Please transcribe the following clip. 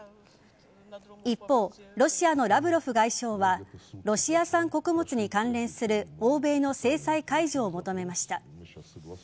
一方、ロシアのラブロフ外相はロシア産穀物に関連する欧米の制裁解除を求めました。